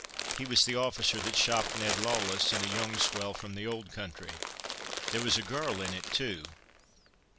He was the officer that 'shopped' Ned Lawless, and a young swell from the old country. There was a girl in it too.